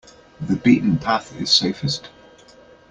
The beaten path is safest.